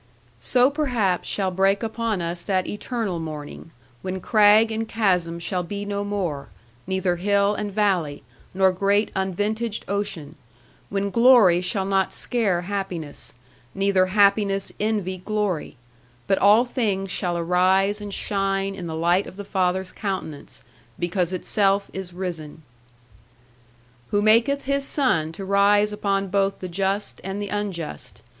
So perhaps shall break upon us that eternal morning, when crag and chasm shall be no more, neither hill and valley, nor great unvintaged ocean; when glory shall not scare happiness, neither happiness envy glory; but all things shall arise and shine in the light of the Father's countenance, because itself is risen. Who maketh His sun to rise upon both the just and the unjust.